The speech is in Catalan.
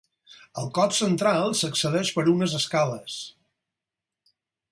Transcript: Al cos central s'accedeix per unes escales.